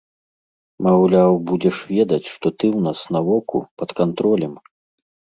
Маўляў, будзеш ведаць, што ты ў нас на воку, пад кантролем.